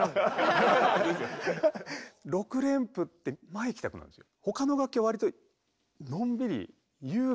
６連符って前いきたくなるんですよ。